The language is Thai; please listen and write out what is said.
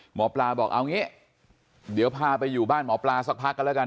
หมอปลาบอกเอางี้เดี๋ยวพาไปอยู่บ้านหมอปลาสักพักกันแล้วกัน